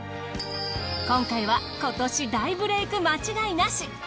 今回は今年大ブレイク間違いなし！